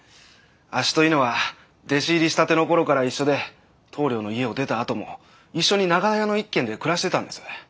あっしと猪之は弟子入りしたての頃から一緒で棟梁の家を出たあとも一緒に長屋の一軒で暮らしてたんです。